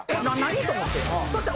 何？と思ってそ